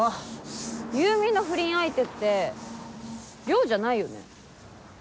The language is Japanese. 優美の不倫相手って稜じゃないよね？